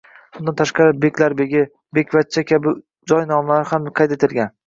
Bundan tashqari Beklar begi, Bekvachcha kabi joy nomlari ham qayd etilgan.